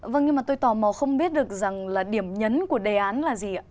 vâng nhưng mà tôi tò mò không biết được rằng là điểm nhấn của đề án là gì ạ